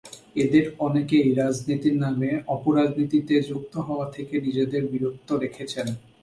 এঁদের অনেকেই রাজনীতির নামে অপরাজনীতিতে যুক্ত হওয়া থেকে নিজেদের বিরত রেখেছেন।